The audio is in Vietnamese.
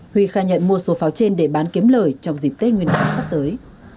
huy khai nhận mua số pháo trên để bán kiếm lời trong dịp tết nguyên đán sắp tới